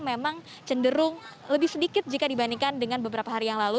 memang cenderung lebih sedikit jika dibandingkan dengan beberapa hari yang lalu